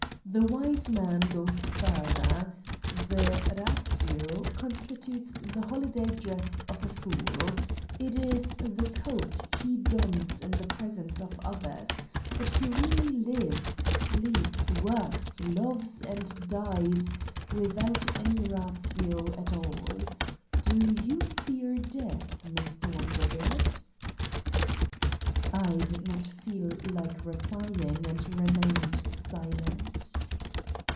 The wise man goes further. The ratio constitutes the holiday dress of a fool. It is the coat he dons in the presence of others, but he really lives, 73 Satan's Diary sleeps, works, loves and dies without any ratio at all. Do you fear death, Mr. Wondergood?" I did not feel like replying and remained silent.